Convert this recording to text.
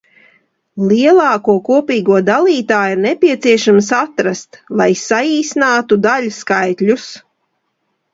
Lielāko kopīgo dalītāju ir nepieciešams atrast, lai saīsinātu daļskaitļus.